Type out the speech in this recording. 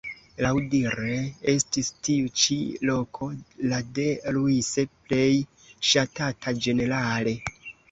Laŭdire estis tiu ĉi loko la de Luise plej ŝatata ĝenerale.